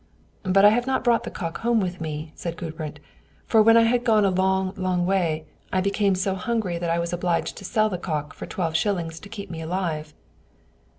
"But I have not brought the cock home with me," said Gudbrand; "for when I had gone a long, long way, I became so hungry that I was obliged to sell the cock for twelve shillings to keep me alive."